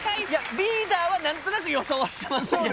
リーダーは何となく予想はしてましたけど。